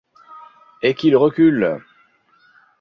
Et qu’ils reculent !